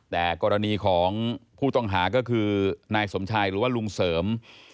แต่กรณีของผู้ต้องหาก็คือนายสมชายหรือว่าลุงเสริม